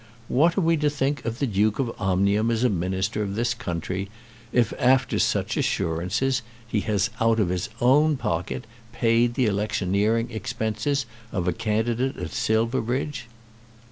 What are we to think of the Duke of Omnium as a Minister of this country, if, after such assurances, he has out of his own pocket paid the electioneering expenses of a candidate at Silverbridge?"